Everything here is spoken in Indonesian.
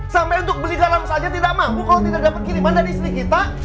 sampai untuk beli dalam saja tidak mampu kalau tidak dapat kiriman dari istri kita